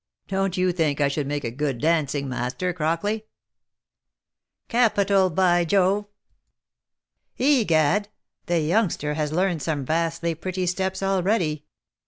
" Don't you think I should make a good dancing master, Crockley ?"" Capital, by Jove !— Egad, the youngster has learned some vastly pretty steps already.